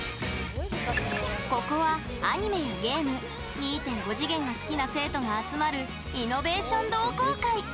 ここはアニメやゲーム２．５次元が好きな生徒が集まる「イノベーション同好会」。